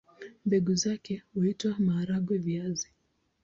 Mbegu zake huitwa maharagwe-viazi.